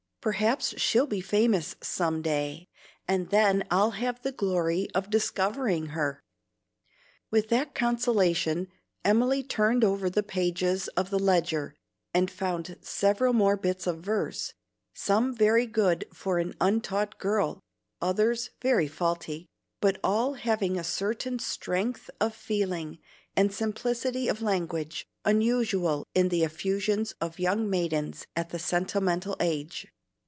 Perhaps she'll be famous some day, and then I'll have the glory of discovering her." With that consolation Emily turned over the pages of the ledger and found several more bits of verse, some very good for an untaught girl, others very faulty, but all having a certain strength of feeling and simplicity of language unusual in the effusions of young maidens at the sentimental age.